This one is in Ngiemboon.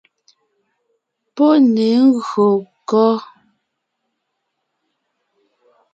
Pɔ́ ne ngÿô kɔ́?